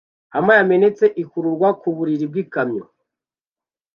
Hummer yamenetse ikururwa ku buriri bw'ikamyo